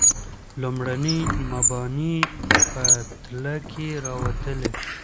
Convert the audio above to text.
لومړني مباني یې په تله کې راوتلي.